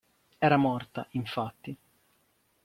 Era morta, infatti.